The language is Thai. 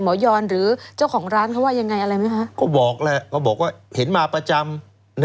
ยอนหรือเจ้าของร้านเขาว่ายังไงอะไรไหมคะก็บอกแหละเขาบอกว่าเห็นมาประจำ